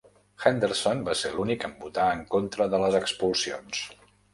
Henderson va ser l'únic en votar en contra de les expulsions.